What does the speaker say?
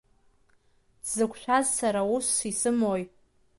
Дзықәшәаз сара усс исымоуи!